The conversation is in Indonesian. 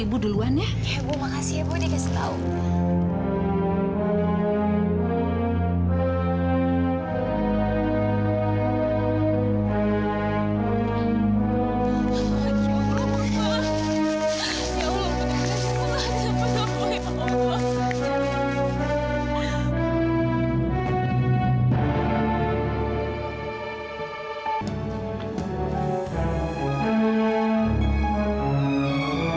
ibu lihatnya mukanya pucat sekali